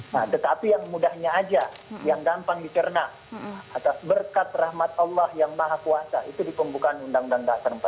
nah tetapi yang mudahnya aja yang gampang dicerna atas berkat rahmat allah yang maha kuasa itu di pembukaan undang undang dasar empat puluh lima